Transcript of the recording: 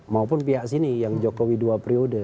maupun pihak sini yang jokowi dua periode